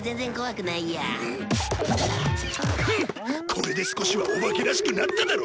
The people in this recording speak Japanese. これで少しはお化けらしくなっただろ。